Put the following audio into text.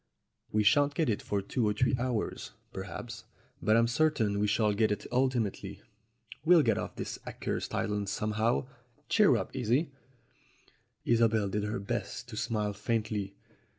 "We shan't get it for two or three hours, perhaps, but I'm certain we shall get it ultimately. We'll get off this accursed island somehow. Cheer up, Isie!" Isobel did her best to smile faintly.